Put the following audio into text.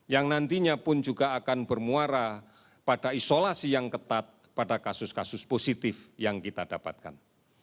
yang nantinya pun juga akan bermuara pada isolasi yang ketat pada kasus kasus positif yang kita dapatkan